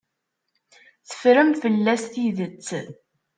Teffrem fell-as tidet.